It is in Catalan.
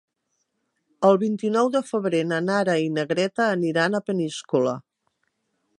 El vint-i-nou de febrer na Nara i na Greta aniran a Peníscola.